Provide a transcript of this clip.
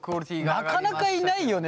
なかなかいないよね。